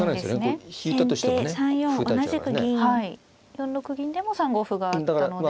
４六銀でも３五歩があったので。